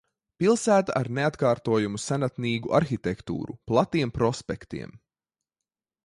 Pilsēta ar neatkārtojamu senatnīgu arhitektūru, platiem prospektiem.